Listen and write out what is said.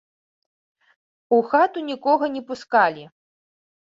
У хату нікога не пускалі.